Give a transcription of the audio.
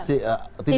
tidak ada di biaya